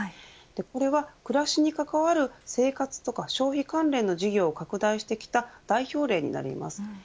これは暮らしに関わる生活や消費関連の事業を拡大させてきた代表例になります。